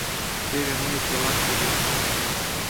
— Теве мый тылат пурлам.